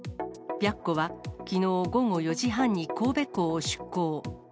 白虎は、きのう午後４時半に神戸港を出港。